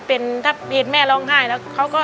ถ้าเป็นถ้าเห็นแม่ร้องไห้แล้ว